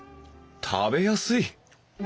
食べやすい！